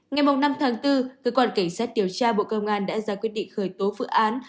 ngày một năm tháng bốn cơ quan cảnh sát tiểu tra bộ công an đã ra quyết định khởi tố phự án